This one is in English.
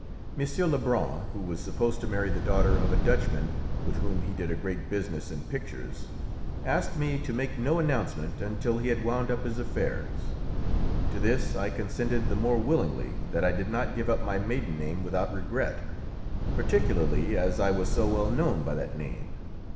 M. Lebrun, who was supposed to marry the daughter of a Dutchman with whom he did a great business in pictures, asked me to make no announcement until he had wound up his affairs. To this I consented the more willingly that I did not give up my maiden name without regret, particularly as I was so well known by that name.